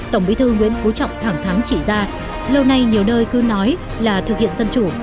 tổng bí thư nguyễn phú trọng thẳng thắn chỉ ra lâu nay nhiều nơi cứ nói là thực hiện dân chủ